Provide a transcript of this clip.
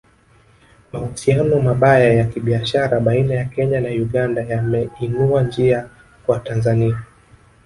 Mahusiano mabaya ya kibiashara baina ya Kenya na Uganda yameinua njia kwa Tanzania